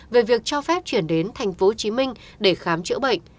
về việc cho phép chuyển đến tp hcm để khám chữa bệnh